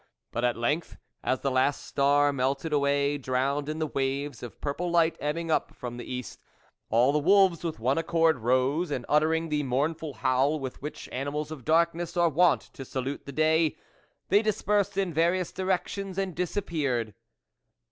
But at length, as the last star melted away, drowned in the waves of purple light ebbing up from the east, all the wolves with one accord rose, and uttering the mournful howl with which animals of darkness are wont to salute the day, they dispersed in various directions and disappeared.